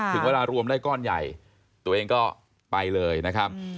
ถึงเวลารวมได้ก้อนใหญ่ตัวเองก็ไปเลยนะครับ